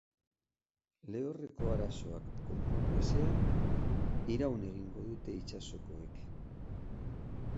Lehorreko arazoak konpondu ezean, iraun egingo dute itsasokoek.